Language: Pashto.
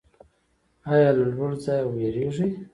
ایا له لوړ ځای ویریږئ؟